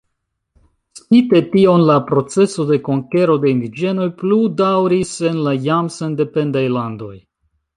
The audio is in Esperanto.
Spite tion la proceso de konkero de indiĝenoj pludaŭris en la jam sendependaj landoj.